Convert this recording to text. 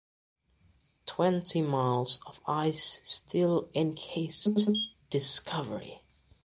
Twenty miles of ice still encased "Discovery".